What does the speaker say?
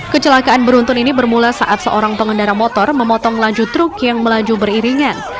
kecelakaan beruntun ini bermula saat seorang pengendara motor memotong laju truk yang melaju beriringan